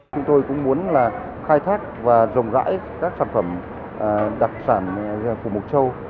chúng tôi cũng muốn khai thác và rồng rãi các sản phẩm đặc sản của mục châu